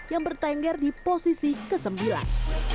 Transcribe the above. yang bertengger di posisi keseluruhan